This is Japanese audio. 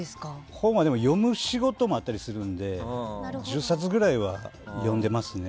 本は読む仕事もあったりするので１０冊くらいは読んでますね。